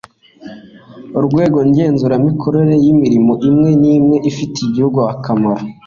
urwego ngenzuramikorere y'imirimo imwe n'imwe ifitiye igihugu akamaro